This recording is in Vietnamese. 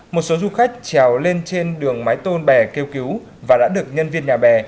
một số du khách trèo lên trên đường mái tôn bè kêu cứu và đã được nhân viên nhà bè